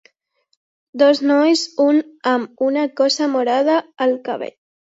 Dos nois, un amb una cosa morada al cabell.